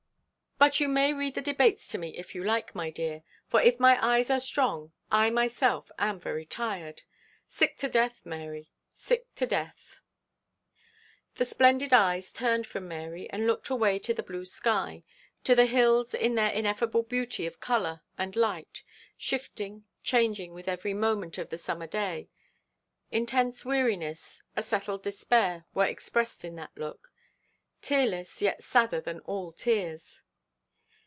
But you may read the debates to me if you like, my dear, for if my eyes are strong, I myself am very tired. Sick to death, Mary, sick to death.' The splendid eyes turned from Mary, and looked away to the blue sky, to the hills in their ineffable beauty of colour and light shifting, changing with every moment of the summer day. Intense weariness, a settled despair, were expressed in that look tearless, yet sadder than all tears.